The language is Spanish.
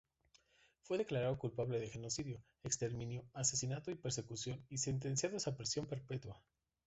Fue declarado culpable de genocidio, exterminio, asesinato y persecución y sentenciados a prisión perpetua.